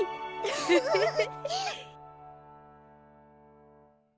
フフフフ。